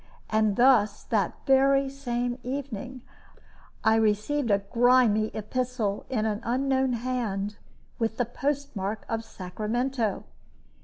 And thus, that very same evening, I received a grimy epistle, in an unknown hand, with the postmark of Sacramento.